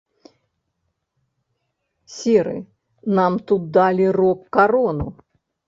Серы, нам тут далі рок-карону!